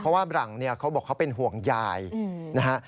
เพราะว่าร้องเขาบอกว่าเขาเป็นห่วงยายนะฮะ